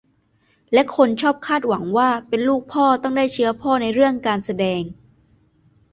และคนชอบคาดหวังว่าเป็นลูกพ่อต้องได้เชื้อพ่อในเรื่องการแสดง